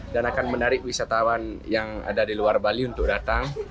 dan akan menarik wisatawan yang ada di luar bali untuk datang